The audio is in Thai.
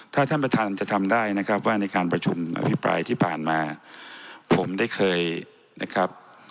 ถ้าท่านประธานจะทำได้นะครับว่าในการประชุมอภิปรายที่ผ่านมาผมได้เคยนะครับ